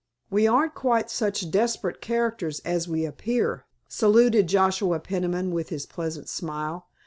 "We aren't quite such desperate characters as we appear," saluted Joshua Peniman with his pleasant smile.